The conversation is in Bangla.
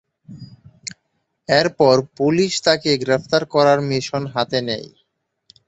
এরপর, পুলিশ তাকে গ্রেফতার করার মিশন হাতে নেয়।